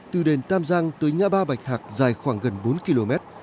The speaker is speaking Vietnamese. từ đền tam giang tới ngã ba bạch hạc dài khoảng gần bốn km